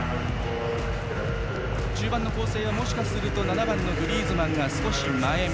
中盤の構成はもしかすると７番のグリーズマンが少し前め。